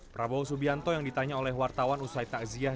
prabowo subianto yang ditanya oleh wartawan usai takziah